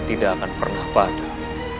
tidak akan pernah padat